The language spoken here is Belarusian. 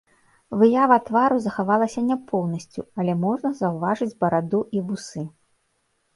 Выява твару захавалася не поўнасцю, але можна заўважыць бараду і вусы.